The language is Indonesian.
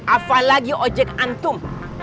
apa lagi ojek antum